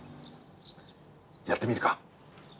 やってみるか？